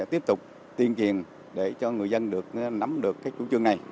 tiếp tục tiên truyền để cho người dân được nắm được cái chủ trương này